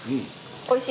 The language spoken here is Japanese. おいしい？